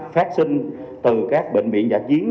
phát sinh từ các bệnh viện giải chiến